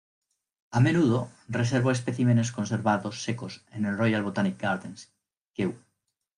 A menudo, reservó especímenes conservados secos en Royal Botanic Gardens, Kew.